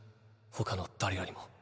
他の誰よりも。